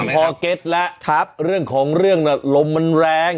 พอเก็ตแล้วเรื่องของเรื่องน่ะลมมันแรง